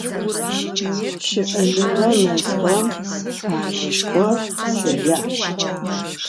Tişı'enığe mezxem mehaneşşxo şırya'.